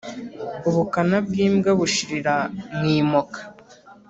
Ubukana bw’imbwa bushirira mu imoka.